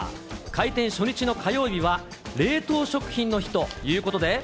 開店初日の火曜日は冷凍食品の日ということで。